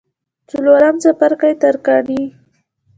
څلورم څپرکی: ترکاڼي